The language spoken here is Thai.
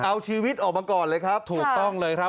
เอาชีวิตออกมาก่อนเลยครับถูกต้องเลยครับ